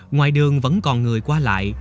ngoài đường vẫn còn người qua lại